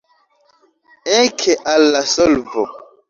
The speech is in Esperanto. Eke al la solvo!